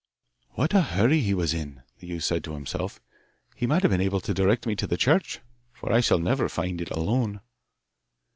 'What a hurry he was in!' the youth said to himself. 'He might have been able to direct me to the church, for I shall never find it alone.